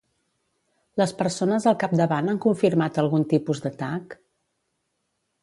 Les persones al capdavant han confirmat algun tipus d'atac?